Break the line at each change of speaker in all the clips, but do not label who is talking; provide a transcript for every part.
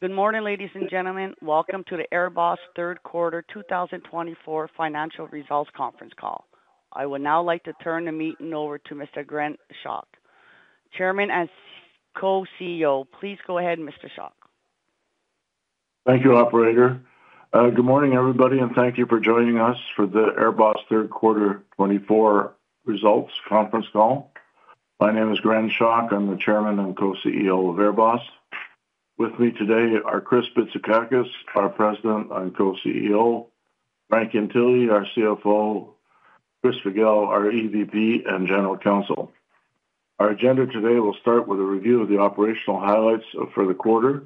Good morning, ladies and gentlemen. Welcome to the AirBoss Third Quarter 2024 Financial Results Conference Call. I would now like to turn the meeting over to Mr. Gren Schoch, Chairman and Co-CEO. Please go ahead, Mr. Schoch.
Thank you, Operator. Good morning, everybody, and thank you for joining us for the AirBoss Third Quarter 2024 Results Conference Call. My name is Gren Schoch. I'm the Chairman and Co-CEO of AirBoss. With me today are Chris Bitsakakis, our President and Co-CEO, Frank Ientile, our CFO, Chris Figel, our EVP and General Counsel. Our agenda today will start with a review of the operational highlights for the quarter,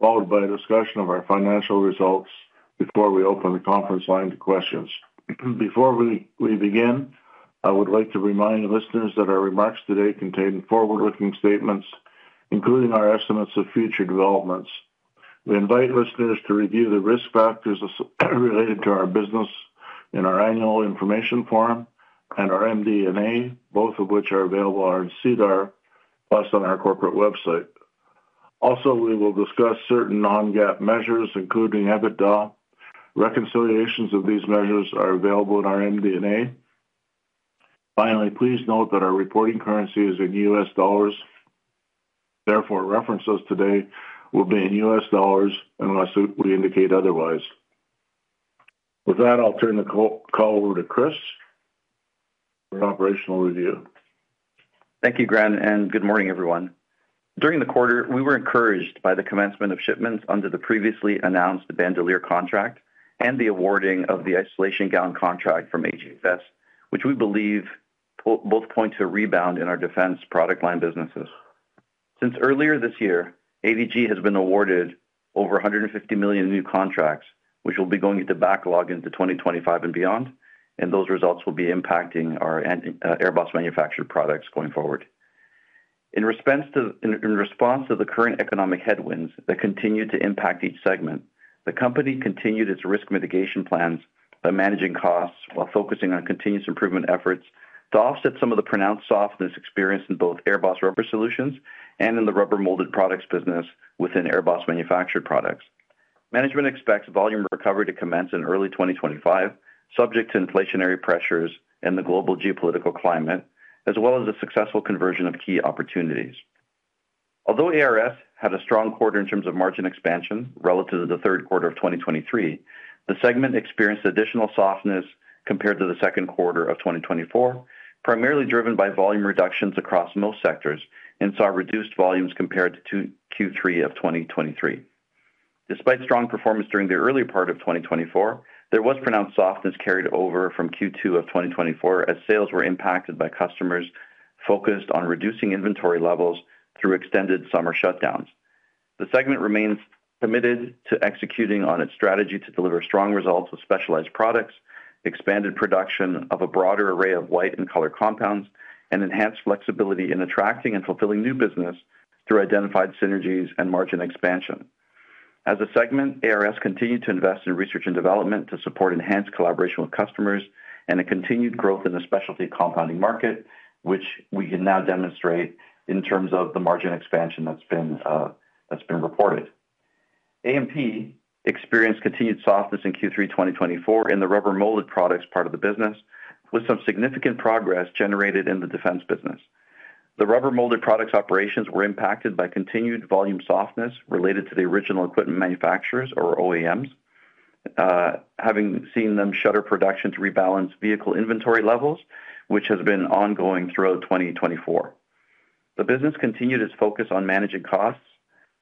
followed by a discussion of our financial results before we open the conference line to questions. Before we begin, I would like to remind listeners that our remarks today contain forward-looking statements, including our estimates of future developments. We invite listeners to review the risk factors related to our business in our Annual Information Form and our MD&A, both of which are available on SEDAR+, plus on our corporate website. Also, we will discuss certain non-GAAP measures, including EBITDA. Reconciliations of these measures are available in our MD&A. Finally, please note that our reporting currency is in U.S. dollars. Therefore, references today will be in U.S. dollars unless we indicate otherwise. With that, I'll turn the call over to Chris for an operational review.
Thank you, Gren, and good morning, everyone. During the quarter, we were encouraged by the commencement of shipments under the previously announced Bandolier contract and the awarding of the isolation gown contract from HHS, which we believe both point to a rebound in our defense product line businesses. Since earlier this year, ADG has been awarded over $150 million new contracts, which will be going into backlog into 2025 and beyond, and those results will be impacting our AirBoss Manufactured Products going forward. In response to the current economic headwinds that continue to impact each segment, the company continued its risk mitigation plans by managing costs while focusing on continuous improvement efforts to offset some of the pronounced softness experienced in both AirBoss Rubber Solutions and in the rubber-molded products business within AirBoss Manufactured Products. Management expects volume recovery to commence in early 2025, subject to inflationary pressures and the global geopolitical climate, as well as a successful conversion of key opportunities. Although ARS had a strong quarter in terms of margin expansion relative to the third quarter of 2023, the segment experienced additional softness compared to the second quarter of 2024, primarily driven by volume reductions across most sectors and saw reduced volumes compared to Q3 of 2023. Despite strong performance during the earlier part of 2024, there was pronounced softness carried over from Q2 of 2024 as sales were impacted by customers focused on reducing inventory levels through extended summer shutdowns. The segment remains committed to executing on its strategy to deliver strong results with specialized products, expanded production of a broader array of white and color compounds, and enhanced flexibility in attracting and fulfilling new business through identified synergies and margin expansion. As a segment, ARS continued to invest in research and development to support enhanced collaboration with customers and a continued growth in the specialty compounding market, which we can now demonstrate in terms of the margin expansion that's been reported. AMP experienced continued softness in Q3 2024 in the rubber-molded products part of the business, with some significant progress generated in the defense business. The rubber-molded products operations were impacted by continued volume softness related to the original equipment manufacturers, or OEMs, having seen them shutter production to rebalance vehicle inventory levels, which has been ongoing throughout 2024. The business continued its focus on managing costs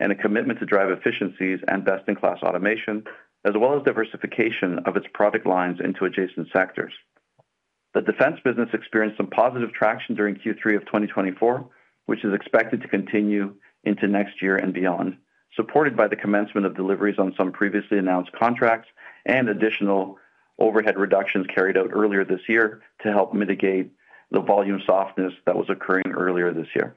and a commitment to drive efficiencies and best-in-class automation, as well as diversification of its product lines into adjacent sectors. The defense business experienced some positive traction during Q3 of 2024, which is expected to continue into next year and beyond, supported by the commencement of deliveries on some previously announced contracts and additional overhead reductions carried out earlier this year to help mitigate the volume softness that was occurring earlier this year.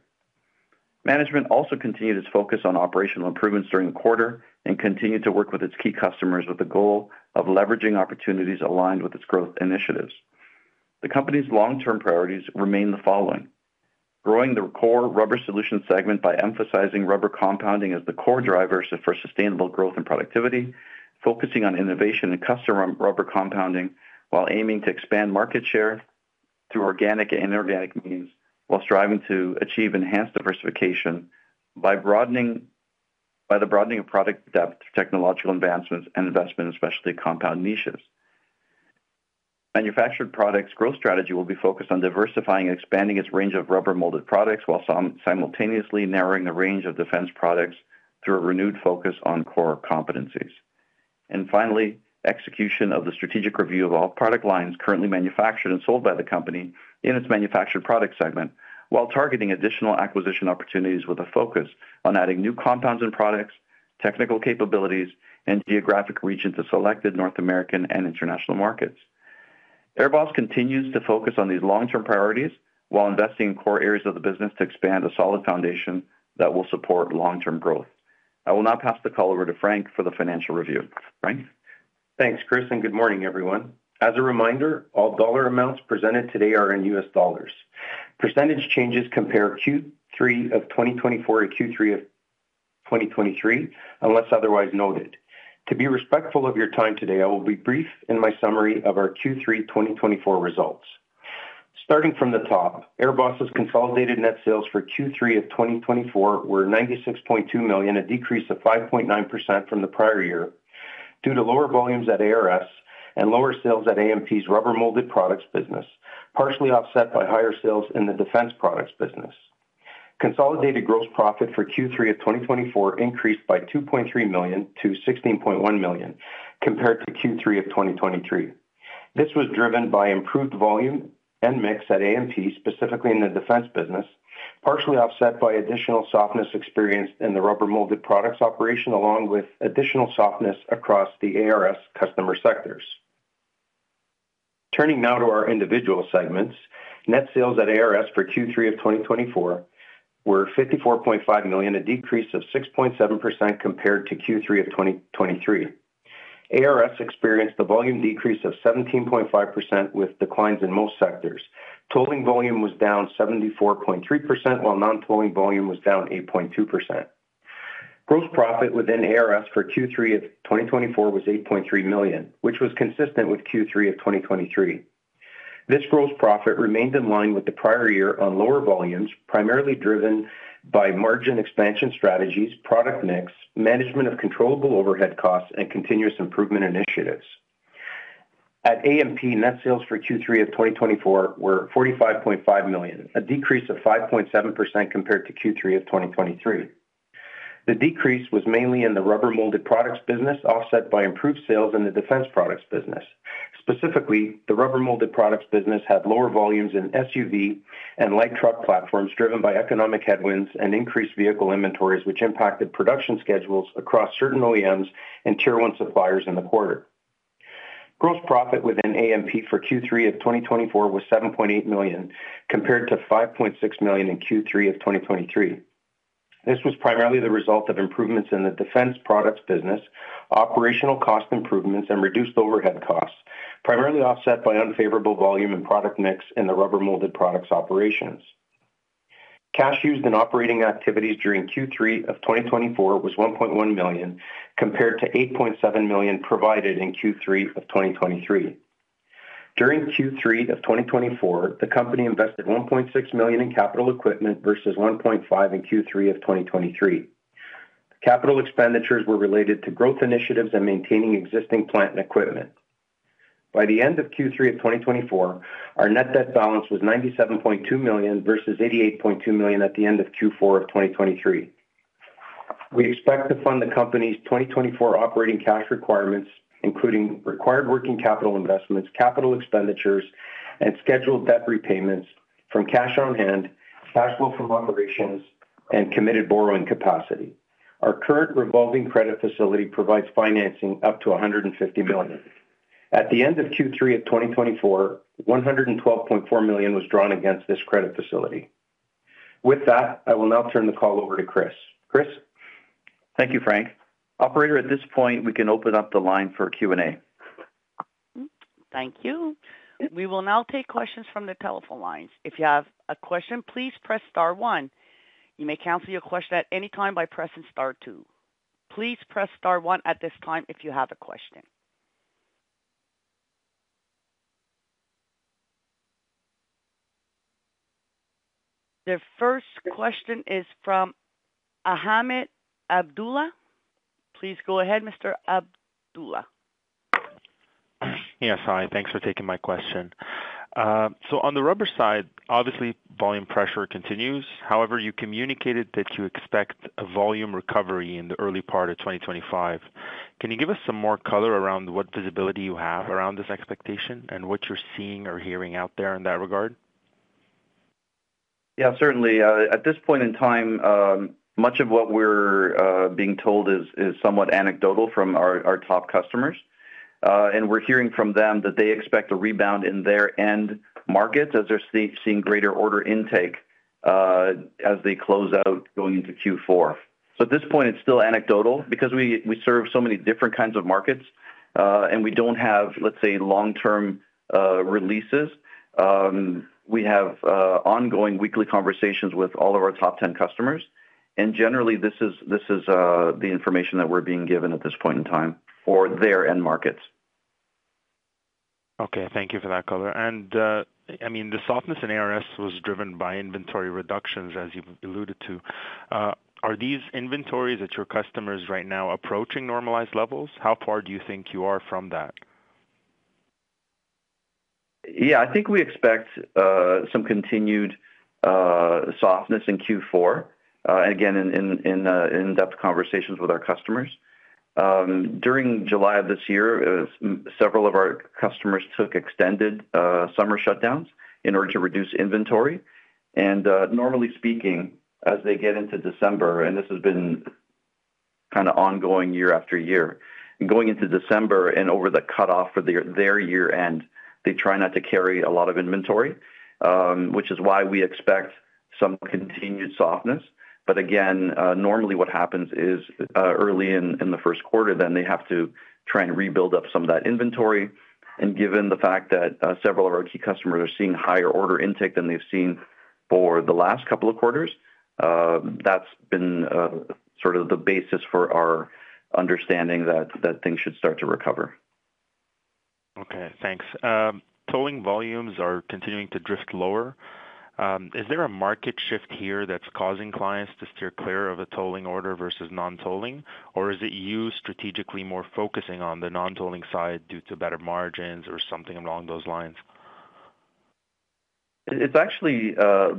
Management also continued its focus on operational improvements during the quarter and continued to work with its key customers with the goal of leveraging opportunities aligned with its growth initiatives. The company's long-term priorities remain the following: growing the core Rubber Solutions segment by emphasizing rubber compounding as the core driver for sustainable growth and productivity, focusing on innovation in custom rubber compounding while aiming to expand market share through organic and inorganic means while striving to achieve enhanced diversification by the broadening of product depth, technological advancements, and investment in specialty compound niches. Manufactured Products' growth strategy will be focused on diversifying and expanding its range of rubber-molded products while simultaneously narrowing the range of defense products through a renewed focus on core competencies. And finally, execution of the strategic review of all product lines currently manufactured and sold by the company in its Manufactured Products segment while targeting additional acquisition opportunities with a focus on adding new compounds and products, technical capabilities, and geographic regions to selected North American and international markets. AirBoss continues to focus on these long-term priorities while investing in core areas of the business to expand a solid foundation that will support long-term growth. I will now pass the call over to Frank for the financial review. Frank?
Thanks, Chris, and good morning, everyone. As a reminder, all dollar amounts presented today are in U.S. dollars. Percentage changes compare Q3 of 2024 to Q3 of 2023 unless otherwise noted. To be respectful of your time today, I will be brief in my summary of our Q3 2024 results. Starting from the top, AirBoss's consolidated net sales for Q3 of 2024 were $96.2 million, a decrease of 5.9% from the prior year due to lower volumes at ARS and lower sales at AMP's rubber-molded products business, partially offset by higher sales in the defense products business. Consolidated gross profit for Q3 of 2024 increased by $2.3 million to $16.1 million compared to Q3 of 2023. This was driven by improved volume and mix at AMP, specifically in the defense business, partially offset by additional softness experienced in the rubber-molded products operation, along with additional softness across the ARS customer sectors. Turning now to our individual segments, net sales at ARS for Q3 of 2024 were $54.5 million, a decrease of 6.7% compared to Q3 of 2023. ARS experienced a volume decrease of 17.5% with declines in most sectors. Tolling volume was down 74.3%, while non-tolling volume was down 8.2%. Gross profit within ARS for Q3 of 2024 was $8.3 million, which was consistent with Q3 of 2023. This gross profit remained in line with the prior year on lower volumes, primarily driven by margin expansion strategies, product mix, management of controllable overhead costs, and continuous improvement initiatives. At AMP, net sales for Q3 of 2024 were $45.5 million, a decrease of 5.7% compared to Q3 of 2023. The decrease was mainly in the rubber-molded products business, offset by improved sales in the defense products business. Specifically, the rubber-molded products business had lower volumes in SUV and light truck platforms driven by economic headwinds and increased vehicle inventories, which impacted production schedules across certain OEMs and Tier 1 suppliers in the quarter. Gross profit within AMP for Q3 of 2024 was $7.8 million compared to $5.6 million in Q3 of 2023. This was primarily the result of improvements in the defense products business, operational cost improvements, and reduced overhead costs, primarily offset by unfavorable volume and product mix in the rubber-molded products operations. Cash used in operating activities during Q3 of 2024 was $1.1 million compared to $8.7 million provided in Q3 of 2023. During Q3 of 2024, the company invested $1.6 million in capital equipment versus $1.5 million in Q3 of 2023. Capital expenditures were related to growth initiatives and maintaining existing plant and equipment. By the end of Q3 of 2024, our net debt balance was $97.2 million versus $88.2 million at the end of Q4 of 2023. We expect to fund the company's 2024 operating cash requirements, including required working capital investments, capital expenditures, and scheduled debt repayments from cash on hand, cash flow from operations, and committed borrowing capacity. Our current revolving credit facility provides financing up to $150 million. At the end of Q3 of 2024, $112.4 million was drawn against this credit facility. With that, I will now turn the call over to Chris. Chris?
Thank you, Frank. Operator, at this point, we can open up the line for Q&A.
Thank you. We will now take questions from the telephone lines. If you have a question, please press star one. You may cancel your question at any time by pressing star two. Please press star one at this time if you have a question. The first question is from Ahmed Abdullah. Please go ahead, Mr. Abdullah.
Yes, hi. Thanks for taking my question. So on the rubber side, obviously, volume pressure continues. However, you communicated that you expect a volume recovery in the early part of 2025. Can you give us some more color around what visibility you have around this expectation and what you're seeing or hearing out there in that regard?
Yeah, certainly. At this point in time, much of what we're being told is somewhat anecdotal from our top customers, and we're hearing from them that they expect a rebound in their end markets as they're seeing greater order intake as they close out going into Q4, so at this point, it's still anecdotal because we serve so many different kinds of markets, and we don't have, let's say, long-term releases. We have ongoing weekly conversations with all of our top 10 customers, and generally, this is the information that we're being given at this point in time for their end markets.
Okay. Thank you for that color. And I mean, the softness in ARS was driven by inventory reductions, as you've alluded to. Are these inventories at your customers right now approaching normalized levels? How far do you think you are from that?
Yeah, I think we expect some continued softness in Q4, again, in-depth conversations with our customers. During July of this year, several of our customers took extended summer shutdowns in order to reduce inventory. And normally speaking, as they get into December, and this has been kind of ongoing year after year, going into December and over the cutoff for their year-end, they try not to carry a lot of inventory, which is why we expect some continued softness. But again, normally what happens is early in the first quarter, then they have to try and rebuild up some of that inventory. And given the fact that several of our key customers are seeing higher order intake than they've seen for the last couple of quarters, that's been sort of the basis for our understanding that things should start to recover.
Okay. Thanks. Tolling volumes are continuing to drift lower. Is there a market shift here that's causing clients to steer clear of a tolling order versus non-tolling, or is it you strategically more focusing on the non-tolling side due to better margins or something along those lines?
It's actually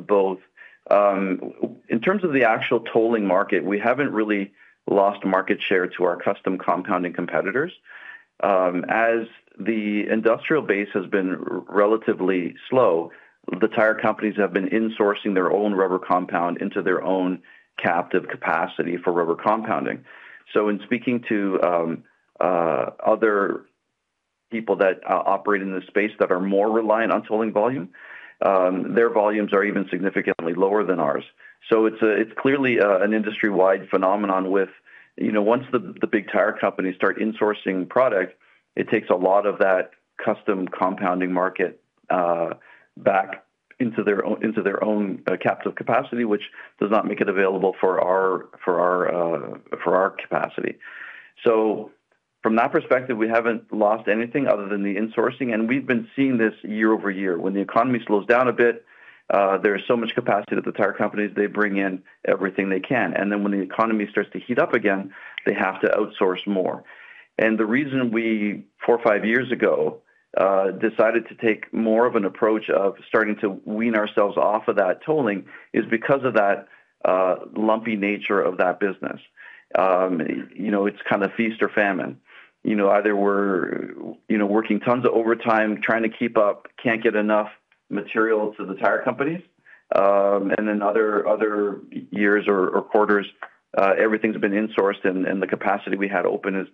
both. In terms of the actual tolling market, we haven't really lost market share to our custom compounding competitors. As the industrial base has been relatively slow, the tire companies have been insourcing their own rubber compound into their own captive capacity for rubber compounding, so in speaking to other people that operate in this space that are more reliant on tolling volume, their volumes are even significantly lower than ours, so it's clearly an industry-wide phenomenon with, once the big tire companies start insourcing product, it takes a lot of that custom compounding market back into their own captive capacity, which does not make it available for our capacity, so from that perspective, we haven't lost anything other than the insourcing, and we've been seeing this year-over-year. When the economy slows down a bit, there is so much capacity that the tire companies, they bring in everything they can, and then when the economy starts to heat up again, they have to outsource more, and the reason we, four or five years ago, decided to take more of an approach of starting to wean ourselves off of that tolling is because of that lumpy nature of that business. It's kind of feast or famine. Either we're working tons of overtime, trying to keep up, can't get enough material to the tire companies, and then other years or quarters, everything's been insourced, and the capacity we had open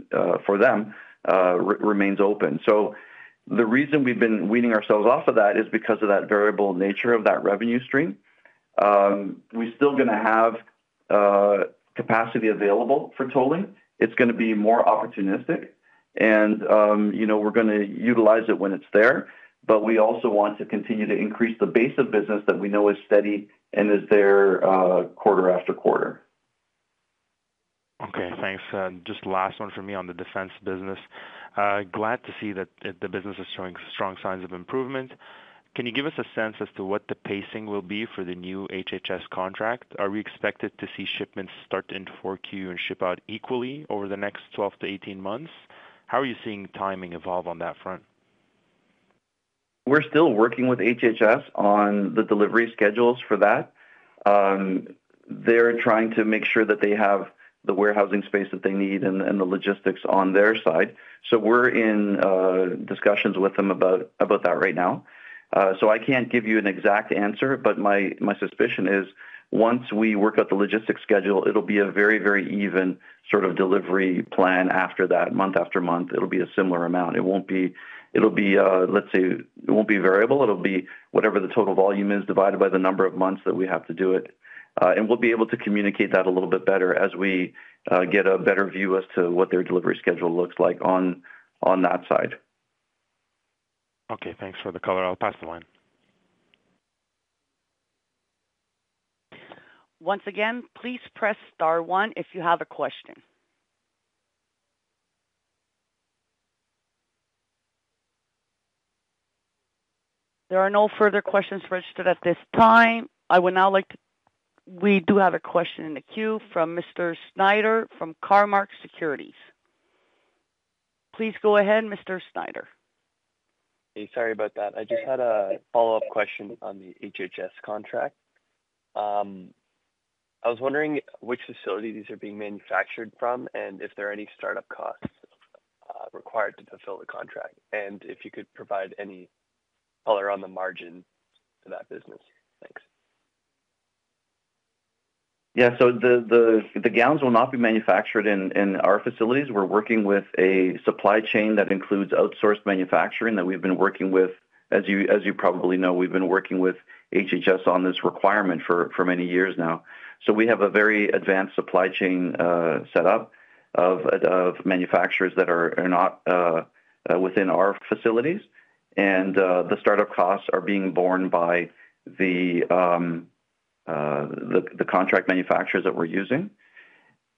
for them remains open, so the reason we've been weaning ourselves off of that is because of that variable nature of that revenue stream. We're still going to have capacity available for tolling. It's going to be more opportunistic, and we're going to utilize it when it's there. But we also want to continue to increase the base of business that we know is steady and is there quarter after quarter.
Okay. Thanks. Just last one for me on the defense business. Glad to see that the business is showing strong signs of improvement. Can you give us a sense as to what the pacing will be for the new HHS contract? Are we expected to see shipments start in 4Q and ship out equally over the next 12 months-18 months? How are you seeing timing evolve on that front?
We're still working with HHS on the delivery schedules for that. They're trying to make sure that they have the warehousing space that they need and the logistics on their side. So we're in discussions with them about that right now. So I can't give you an exact answer, but my suspicion is once we work out the logistics schedule, it'll be a very, very even sort of delivery plan after that. Month after month, it'll be a similar amount. It won't be, let's say, it won't be variable. It'll be whatever the total volume is divided by the number of months that we have to do it. And we'll be able to communicate that a little bit better as we get a better view as to what their delivery schedule looks like on that side.
Okay. Thanks for the color. I'll pass the line.
Once again, please press star one if you have a question. There are no further questions registered at this time. I would now like to—we do have a question in the queue from Mr. Schneider from Cormark Securities. Please go ahead, Mr. Schneider. Hey, sorry about that. I just had a follow-up question on the HHS contract. I was wondering which facility these are being manufactured from and if there are any startup costs required to fulfill the contract, and if you could provide any color on the margin to that business. Thanks.
Yeah. So the gowns will not be manufactured in our facilities. We're working with a supply chain that includes outsourced manufacturing that we've been working with. As you probably know, we've been working with HHS on this requirement for many years now. So we have a very advanced supply chain setup of manufacturers that are not within our facilities. And the startup costs are being borne by the contract manufacturers that we're using.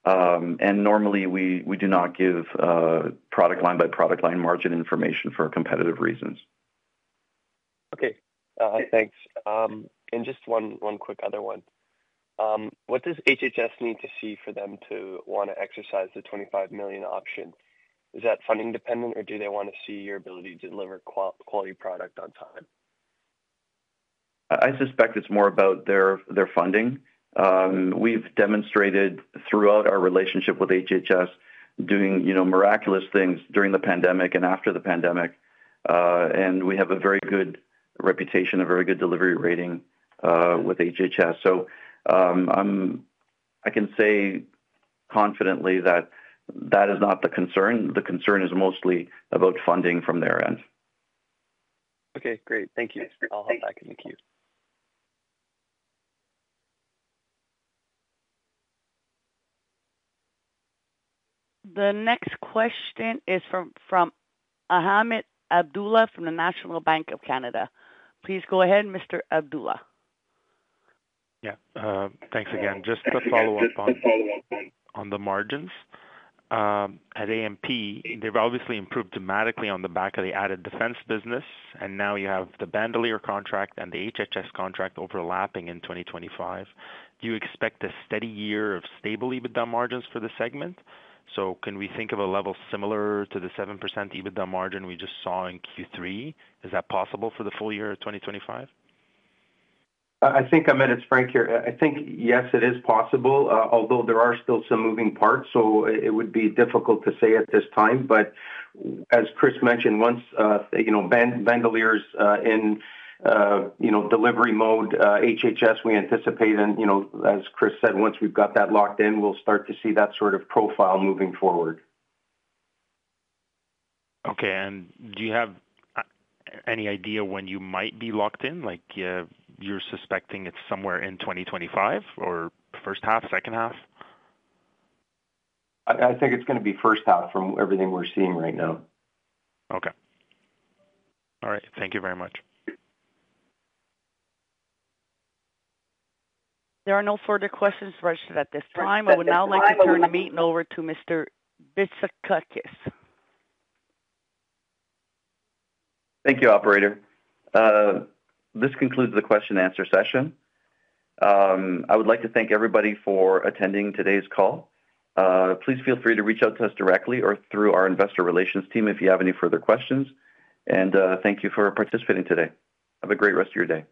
And normally, we do not give product line by product line margin information for competitive reasons. Okay. Thanks. And just one quick other one. What does HHS need to see for them to want to exercise the $25 million option? Is that funding dependent, or do they want to see your ability to deliver quality product on time? I suspect it's more about their funding. We've demonstrated throughout our relationship with HHS doing miraculous things during the pandemic and after the pandemic. And we have a very good reputation, a very good delivery rating with HHS. So I can say confidently that that is not the concern. The concern is mostly about funding from their end. Okay. Great. Thank you. I'll hop back in the queue.
The next question is from Ahmed Abdullah from the National Bank of Canada. Please go ahead, Mr. Abdullah.
Yeah. Thanks again. Just to follow up on the margins. At AMP, they've obviously improved dramatically on the back of the added defense business. And now you have the Bandolier contract and the HHS contract overlapping in 2025. Do you expect a steady year of stable EBITDA margins for the segment? So can we think of a level similar to the 7% EBITDA margin we just saw in Q3? Is that possible for the full year of 2025?
I think it's Frank here. I think, yes, it is possible, although there are still some moving parts. So it would be difficult to say at this time. But as Chris mentioned, once Bandolier's in delivery mode, HHS, we anticipate, and as Chris said, once we've got that locked in, we'll start to see that sort of profile moving forward.
Okay, and do you have any idea when you might be locked in? You're suspecting it's somewhere in 2025 or first half, second half?
I think it's going to be first half from everything we're seeing right now.
Okay. All right. Thank you very much.
There are no further questions registered at this time. I would now like to turn the meeting over to Mr. Bitsakakis.
Thank you, Operator. This concludes the question and answer session. I would like to thank everybody for attending today's call. Please feel free to reach out to us directly or through our investor relations team if you have any further questions, and thank you for participating today. Have a great rest of your day.